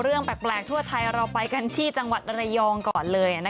เรื่องแปลกทั่วไทยเราไปกันที่จังหวัดระยองก่อนเลย